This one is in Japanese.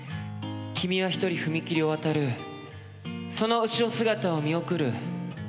「君は１人踏切を渡るその後ろ姿を見送る」